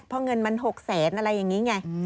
เพราะเงินมัน๖แสนอะไรอย่างนี้ไง